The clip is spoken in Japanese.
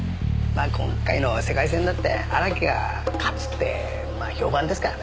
まあ今回の世界戦だって荒木が勝つって評判ですからね。